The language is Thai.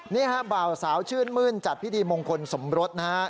นี่ฮะบ่าวสาวชื่นมื้นจัดพิธีมงคลสมรสนะฮะ